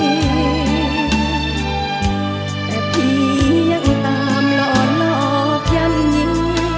แต่พี่ยังตามหล่อหลอกย่ำยี